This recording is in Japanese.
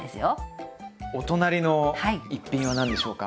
お隣の一品は何でしょうか？